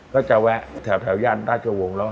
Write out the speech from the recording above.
ก็จะแวะแถวย่านต้านเฉลิมกรุงแล้ว